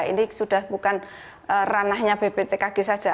ini sudah bukan ranahnya bptkg saja